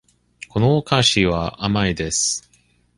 このお菓子は甘いです。